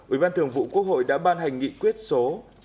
ủy ban thường vụ quốc hội đã ban hành nghị quyết số một nghìn bốn mươi sáu